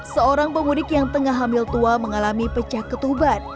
seorang pemudik yang tengah hamil tua mengalami pecah ketuban